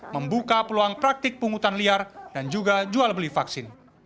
membuka peluang praktik pungutan liar dan juga jual beli vaksin